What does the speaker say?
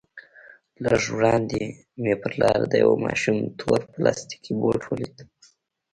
لږ وړاندې مې پر لاره د يوه ماشوم تور پلاستيكي بوټ وليد.